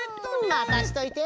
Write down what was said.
まかしといて！